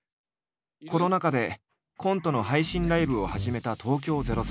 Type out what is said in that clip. コロナ禍でコントの配信ライブを始めた東京０３。